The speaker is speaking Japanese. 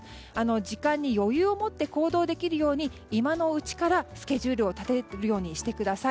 時間に余裕を持って行動できるように今のうちからスケジュールを立てるようにしてください。